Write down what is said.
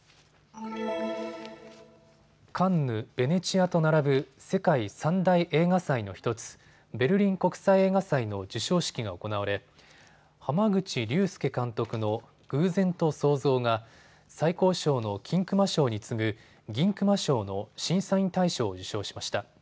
カンヌ、ベネチアと並ぶ世界３大映画祭の１つ、ベルリン国際映画祭の授賞式が行われ濱口竜介監督の偶然と想像が最高賞の金熊賞に次ぐ銀熊賞の審査員大賞を受賞しました。